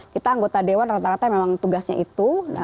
kita anggota dewan rata rata memang tugasnya itu